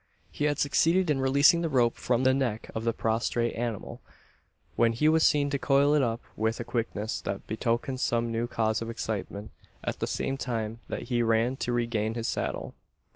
He had succeeded in releasing the rope from the neck of the prostrate animal, when he was seen to coil it up with a quickness that betokened some new cause of excitement at the same time that he ran to regain his saddle.